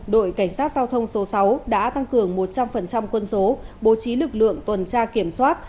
đội cảnh sát giao thông số sáu đã tăng cường một trăm linh quân số bố trí lực lượng tuần tra kiểm soát